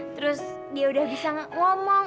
terus dia udah bisa ngomong